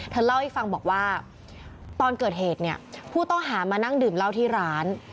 เล่าให้ฟังบอกว่าตอนเกิดเหตุเนี่ยผู้ต้องหามานั่งดื่มเหล้าที่ร้าน